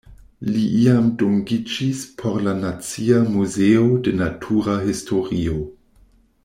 Li iam dungiĝis por la Nacia Muzeo de Natura Historio.